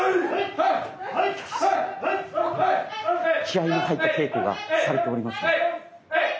気合いの入った稽古がされております。